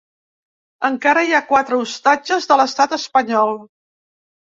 Encara hi ha quatre ostatges de l’estat espanyol.